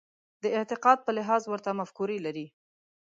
د اعتقاد په لحاظ ورته مفکورې لري.